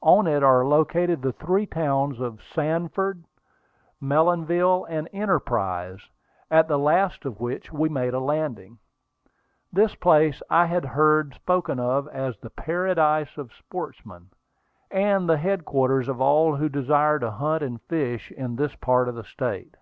On it are located the three towns of Sanford, Mellonville, and Enterprise, at the last of which we made a landing. This place I had heard spoken of as the "paradise of sportsmen," and the headquarters of all who desire to hunt and fish in this part of the state.